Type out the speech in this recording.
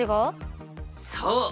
そう。